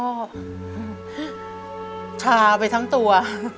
ก็ชาไปทั้งตัว